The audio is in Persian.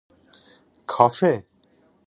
کافه